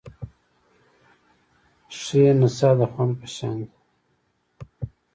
د ښې نڅا د خوند په شان دی.